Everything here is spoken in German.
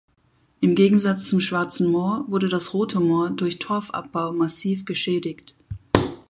Im Gegensatz zum Schwarzen Moor wurde das Rote Moor durch Torfabbau massiv geschädigt.